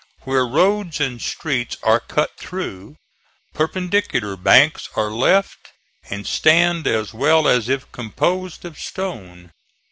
Where roads and streets are cut through, perpendicular banks are left and stand as well as if composed of stone.